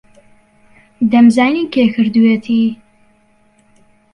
دەمزانی کێ کردوویەتی.